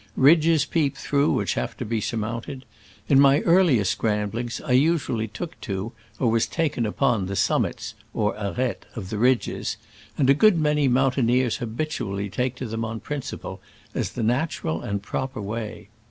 Ridges peep through which have to be surmounted. In my earlier scramblings I usually took to, or was taken upon, the summits (or aretes) of the ridges, and a good many mountain eers habitually take to them on principle, as tlie natural and proper way.